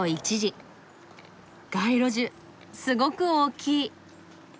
街路樹すごく大きい。